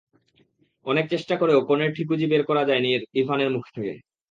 অনেক চেষ্টা করেও কনের ঠিকুজি বের করা যায়নি ইরফানের মুখ থেকে।